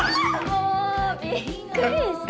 もうびっくりした！